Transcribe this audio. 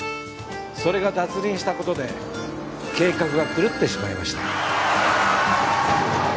それが脱輪したことで計画が狂ってしまいました。